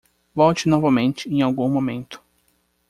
Volte novamente em algum momento.